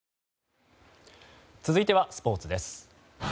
続いては、スポーツです。